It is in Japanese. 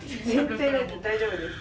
全然大丈夫です。